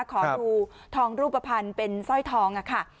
ขอดูทองรูปภัณฑ์เป็นสร้อยทองค่ะ